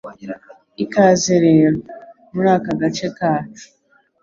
Ikaze rero. Muri aka gace kacu